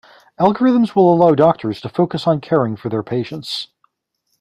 Algorithms will allow doctors to focus on caring for their patients.